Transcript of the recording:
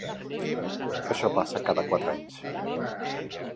Això passa cada quatre anys.